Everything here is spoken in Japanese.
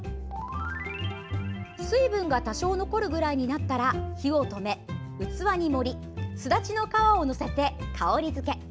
水分が多少残るぐらいになったら火を止め器に盛りすだちの皮を載せて香りづけ。